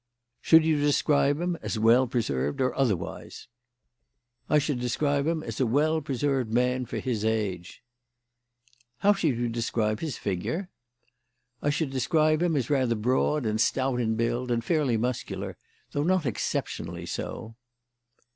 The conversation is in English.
"Should you describe him as well preserved or otherwise?" "I should describe him as a well preserved man for his age." "How should you describe his figure?" "I should describe him as rather broad and stout in build, and fairly muscular, though not exceptionally so."